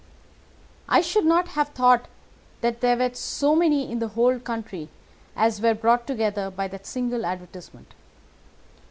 I should not have thought there were so many in the whole country as were brought together by that single advertisement.